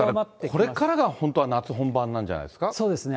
これからが本当は夏本番なんじゃないですか。